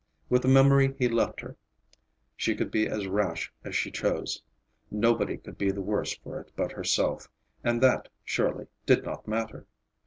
With the memory he left her, she could be as rash as she chose. Nobody could be the worse for it but herself; and that, surely, did not matter.